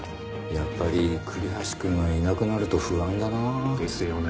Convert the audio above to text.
やっぱり栗橋くんがいなくなると不安だなあ。ですよね。